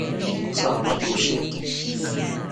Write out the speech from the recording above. Ithawaki osheki